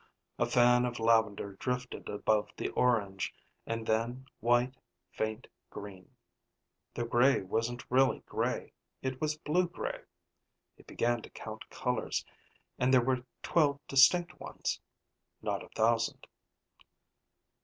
A fan of lavender drifted above the orange, and then white, faint green.... The gray wasn't really gray, it was blue gray. He began to count colors, and there were twelve distinct ones (not a thousand).